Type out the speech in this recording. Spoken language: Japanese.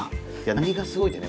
何がすごいってね